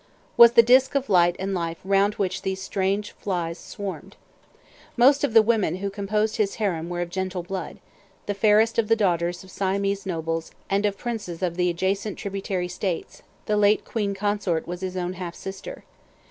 ] was the disk of light and life round which these strange flies swarmed. Most of the women who composed his harem were of gentle blood, the fairest of the daughters of Siamese nobles and of princes of the adjacent tributary states; the late queen consort was his own half sister.